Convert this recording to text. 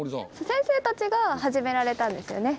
先生たちが始められたんですよね？